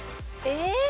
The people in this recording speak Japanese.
えっ？